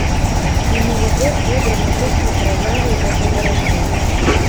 Мінулы год быў драматычнай праявай гэтай барацьбы.